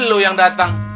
lu yang datang